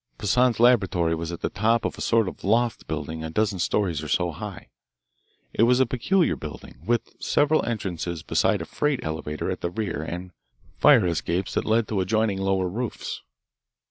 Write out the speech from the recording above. Poissan's laboratory was at the top of a sort of loft building a dozen stories or so high. It was a peculiar building, with several entrances besides a freight elevator at the rear and fire escapes that led to adjoining lower roofs.